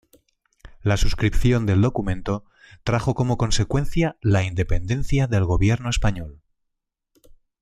La suscripción del documento trajo como consecuencia la independencia del Gobierno Español.